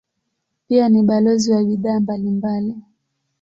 Pia ni balozi wa bidhaa mbalimbali.